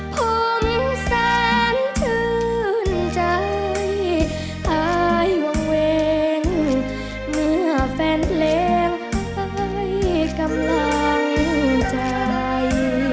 ผมแสนชื่นใจอายวงเวงเมื่อแฟนเพลงให้กำลังใจ